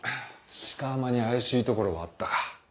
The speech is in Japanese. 鹿浜に怪しいところはあったか？